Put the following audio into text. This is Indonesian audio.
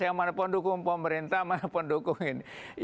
yang mana pendukung pemerintah mana pendukung ini